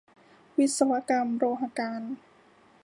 วิศวกรรมโลหการ